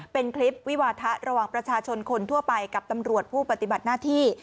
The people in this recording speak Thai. เป็นคลิปวิวาทะระหว่างประชาชนคนทั่วไปกับตำรวจผู้ปฏิบัติหน้าที่